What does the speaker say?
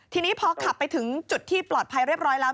ทีนี้พอขับไปถึงจุดที่ปลอดภัยเรียบร้อยแล้ว